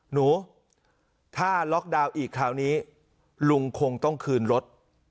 หนูถ้าล็อกดาวน์อีกคราวนี้ลุงคงต้องคืนรถ